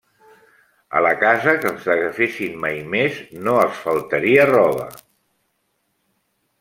A la casa que els agafessin mai més no els faltaria roba.